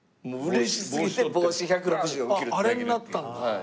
あれになったんだ。